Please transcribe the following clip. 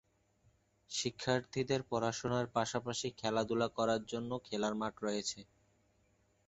শিক্ষার্থীদের পড়াশোনার পাশাপাশি খেলাধুলা করার জন্য খেলার মাঠ রয়েছে।